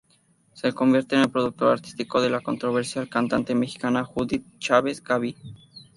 Se convierte en el Productor Artístico de la controversial cantante mexicana Judith Chávez "Ga-Bí".